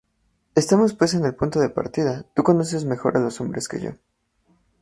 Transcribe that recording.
Estamos pues en el punto de partida, tú conoces mejor los hombres que yo.